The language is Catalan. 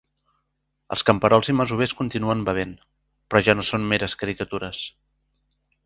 Els camperols i masovers continuen bevent, però ja no són meres caricatures.